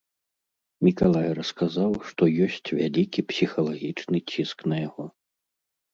Мікалай расказаў, што ёсць вялікі псіхалагічны ціск на яго.